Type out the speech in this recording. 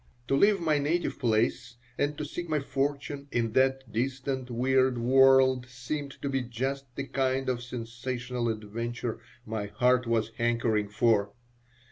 To leave my native place and to seek my fortune in that distant, weird world seemed to be just the kind of sensational adventure my heart was hankering for.